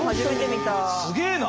すげえな！